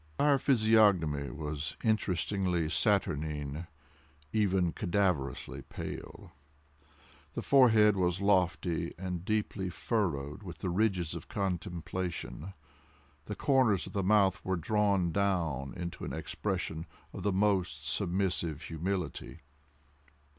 His entire physiognomy was interestingly saturnine—even cadaverously pale. The forehead was lofty, and deeply furrowed with the ridges of contemplation. The corners of the mouth were drawn down into an expression of the most submissive humility.